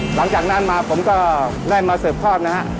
หลังจากนั้นมาผมก็ได้มาสืบครอบนะฮะ